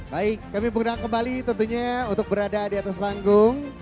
baik kami pulang kembali tentunya untuk berada di atas panggung